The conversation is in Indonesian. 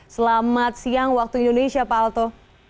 selamat siang waktu indonesia pak alto